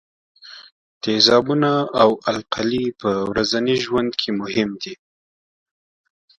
تیزابونه او القلي په ورځني ژوند کې مهم دي.